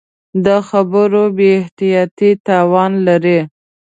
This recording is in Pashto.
د خبرو بې احتیاطي تاوان لري